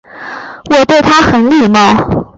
我对他很礼貌